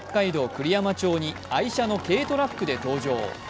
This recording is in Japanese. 栗山町に愛車の軽トラックで登場。